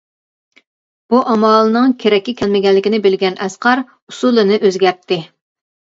بۇ ئامالىنىڭ كېرەككە كەلمىگەنلىكىنى بىلگەن ئەسقەر ئۇسۇلىنى ئۆزگەرتتى.